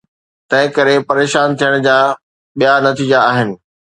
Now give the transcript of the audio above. تنهنڪري پريشان ٿيڻ جا ٻيا نتيجا آهن.